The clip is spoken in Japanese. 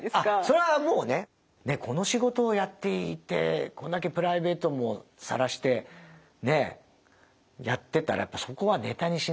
それはもうねこの仕事をやっていてこんだけプライベートもさらしてねえやってたらやっぱそこはネタにしないと。